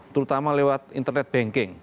terutama lewat internet banking